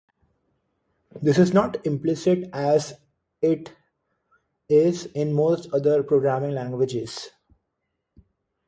This is not implicit as it is in most other programming languages.